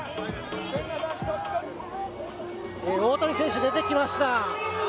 大谷選手、出てきました。